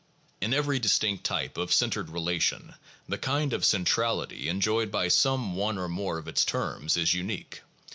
In every distinct type of centered relation the kind of cen trality enjoyed by some one or more of its terms is unique.